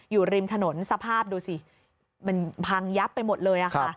อยู่ริมถนนสภาพดูสิมันพังยับไปหมดเลยค่ะ